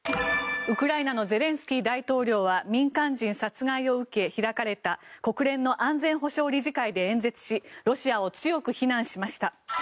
ウクライナのゼレンスキー大統領は民間人殺害を受け開かれた国連の安全保障理事会で演説しロシアを強く非難しました。